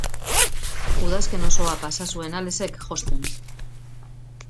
Udazken osoa pasa zuen Alesek josten.